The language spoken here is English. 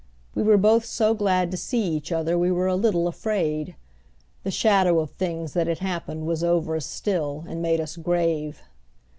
We were both so glad to see each other we were a little afraid. The shadow of things that had happened was over us still and made us grave.